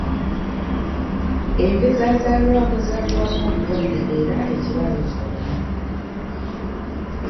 Ente za Zalwango zaagwamu obulwadde era ekiraalo khonna katono kiggweewo!